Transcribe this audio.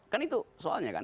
kan itu soalnya kan